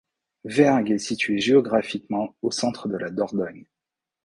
Vergt est située géographiquement au centre de la Dordogne.